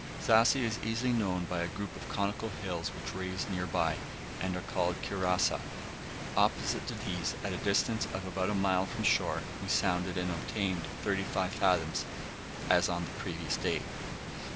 Zassi is easily known by a group of conical hills which rise near by, and are called Kirassa. Opposite to these, at the distance of about a mile from shore, we sounded, and obtained 35 fathoms, as on the previous day.